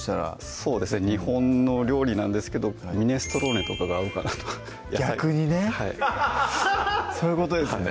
そうですね日本の料理なんですけどミネストローネとかが合うかなと逆にねはいそういうことですね